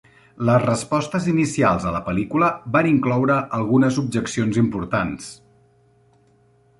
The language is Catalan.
Les respostes inicials a la pel·lícula van incloure algunes objeccions importants.